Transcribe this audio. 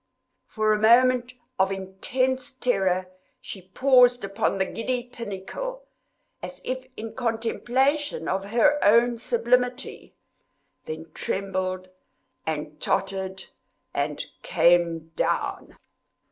For a moment of intense terror she paused upon the giddy pinnacle, as if in contemplation of her own sublimity, then trembled and tottered, and—came down.